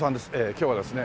今日はですね